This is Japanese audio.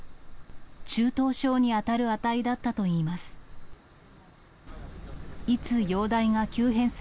中等症に当たる値だったといいます。